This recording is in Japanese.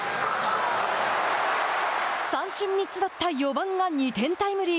三振３つだった４番が２点タイムリー。